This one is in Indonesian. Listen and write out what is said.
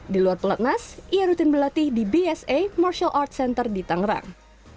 di luar pelatnas ia rutin berlatih di bsa martial arts center di tangerang